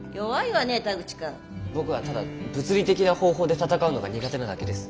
僕はただ物理的な方法で戦うのが苦手なだけです。